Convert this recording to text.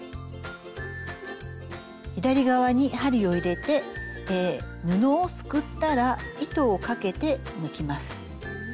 左側に針を入れて布をすくったら糸をかけて抜きます。